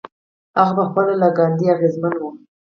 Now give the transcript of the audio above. هغه پخپله له ګاندي اغېزمن و.